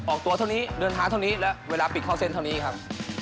ออกตัวเท่านี้เดินทางเท่านี้และเวลาปิดเข้าเส้นเท่านี้ครับ